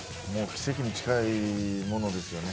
奇跡に近いものですよね。